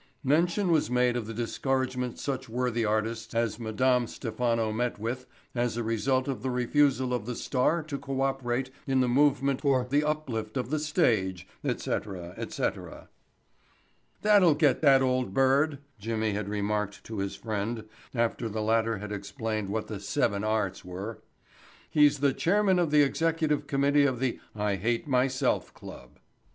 Mention was made of the discouragement such worthy artists as Madame Stephano met with as a result of the refusal of the Star to co operate in the movement for the uplift of the stage, etc., etc. "That'll get that old bird," Jimmy had remarked to his friend after the latter had explained what the "seven arts" were. "He's the chairman of the executive committee of the I Hate Myself Club."